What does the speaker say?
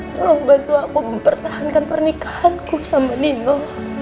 tolong bantu aku mempertahankan pernikahanku sama nino